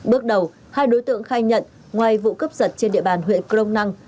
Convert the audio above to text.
bước đầu hai đối tượng khai nhận ngoài vụ cấp giật trên địa bàn huyện công năng